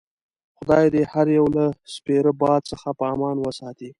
خدای دې هر یو له سپیره باد څخه په امان وساتي.